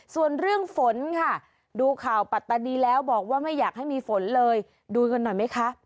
ส่วนเรื่องฝนค่ะดูข่าวปัตตานีแล้วบอกว่าไม่อยากให้มีฝนเลยดูกันหน่อยไหมคะ